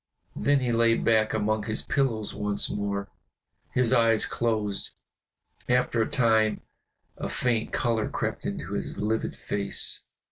Then he lay back among his pillows once more, his eyes closed. After a time a faint color crept into his livid face.